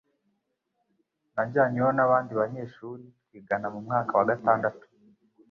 Najyanyeyo n'abandi banyeshuri twigana mu mwaka wa gatandatu